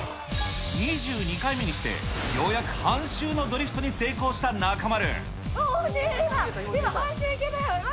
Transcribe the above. ２２回目にして、ようやく半周のドリフトに成功した中丸。